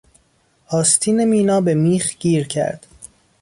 آستین مینا به میخ گیر کرد.